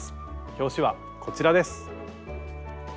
表紙はこちらです。